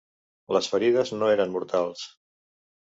Les ferides no eren mortals.